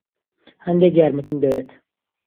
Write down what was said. هەندێک یارمەتیم دەوێت.